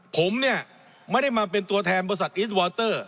ผมเนี่ยไม่ได้มาเป็นตัวแทนบริษัทอิสวอเตอร์